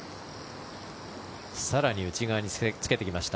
更に内側につけてきました。